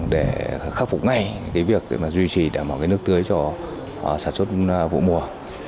để khắc phục ngay việc duy trì đảm bảo nước tươi cho sản xuất vụ mùa